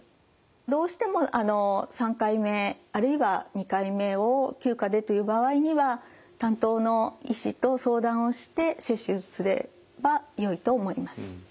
どうしても３回目あるいは２回目を９価でという場合には担当の医師と相談をして接種すればよいと思います。